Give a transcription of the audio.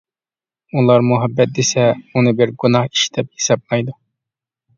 ئۇلار مۇھەببەت دېسە، ئۇنى بىر گۇناھ ئىش دەپ ھېسابلايدۇ.